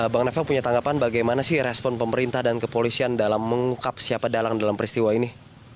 bang novel punya tanggapan bagaimana sih respon pemerintah dan kepolisian dalam mengungkap siapa dalang dalam peristiwa ini